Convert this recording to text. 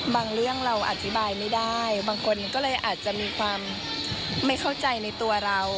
เรื่องเราอธิบายไม่ได้บางคนก็เลยอาจจะมีความไม่เข้าใจในตัวเรา